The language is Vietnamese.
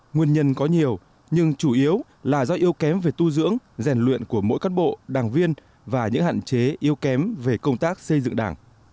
nguyên nhân có nhiều nhưng chủ yếu là do yếu kém về tu dưỡng rèn luyện của mỗi cán bộ đảng viên và những hạn chế yếu kém về công tác xây dựng đảng